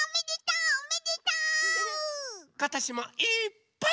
ことしもいっぱい。